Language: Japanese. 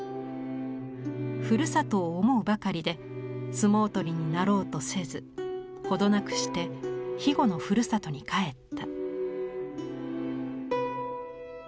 故郷を想うばかりで相撲取りになろうとせず程なくして肥後の故郷に帰った」。